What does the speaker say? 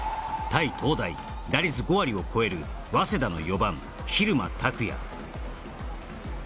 対東大打率５割を超える早稲田の４番蛭間拓哉